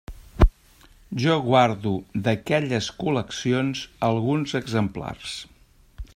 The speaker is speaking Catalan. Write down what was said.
Jo guarde d'aquelles col·leccions alguns exemplars.